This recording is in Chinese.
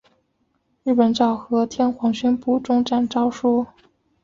日本昭和天皇宣布终战诏书。